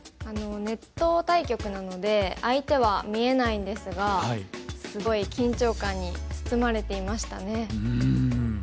ネット対局なので相手は見えないんですがすごい緊張感に包まれていましたね。